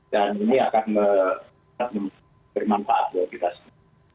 dan ini akan dapat bermanfaat buat kita sendiri